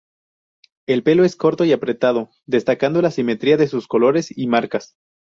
El pelo es corto y apretado, destacando la simetría de sus colores y marcas.